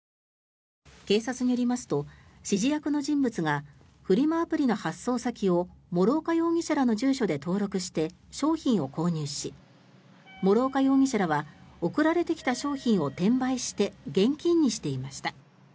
警察によりますと指示役の人物がフリマアプリの発送先を諸岡容疑者らの住所で登録して商品を購入し諸岡容疑者らは送られてきた商品を転売して現金にしていました。